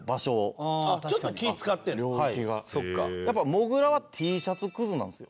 もぐらはＴシャツクズなんですよ。